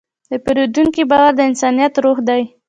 د پیرودونکي باور د انسانیت روح دی.